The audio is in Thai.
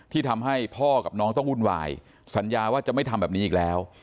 ที่ทำให้พ่อกับน้องต้องวุ่นวายสัญญาว่าจะไม่ทำแบบนี้อีกแล้ว